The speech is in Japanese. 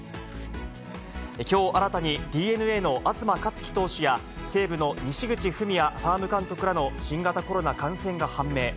きょう新たに、ＤｅＮＡの東克樹投手や西武の西口文也ファーム監督らの新型コロナ感染が判明。